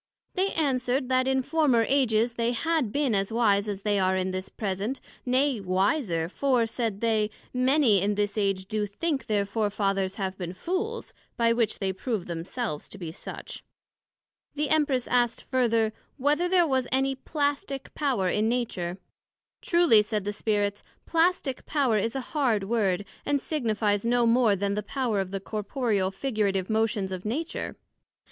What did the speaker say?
They answered, That in former Ages they had been as wise as they are in this present, nay, wiser; for, said they, many in this age do think their Fore fathers have been Fools, by which they prove themselves to be such. The Empress asked further, Whether there was any Plastick power in Nature? Truly, said the Spirits, Plastick power is a hard word, & signifies no more then the power of the corporeal, figurative motions of Nature.